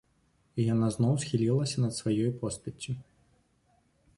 І яна зноў схілілася над сваёй постаццю.